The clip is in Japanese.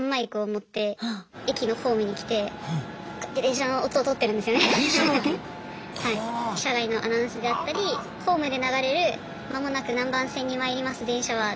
車外のアナウンスだったりホームで流れる「間もなく何番線に参ります電車は」っていう。